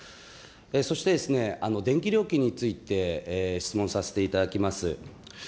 そして、電気料金について質問させていただきます。